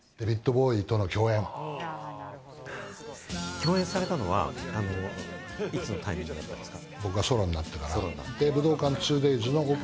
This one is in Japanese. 共演されたのはいつのタイミングですか？